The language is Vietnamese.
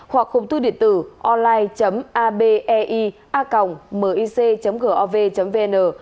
hoặc khung thư điện tử online abei a mic gov vn